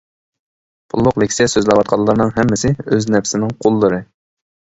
پۇللۇق لېكسىيە سۆزلەۋاتقانلارنىڭ ھەممىسى ئۆز نەپىسىنىڭ قۇللىرى.